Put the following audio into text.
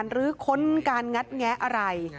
หรือค้นการงัดแงะอะไร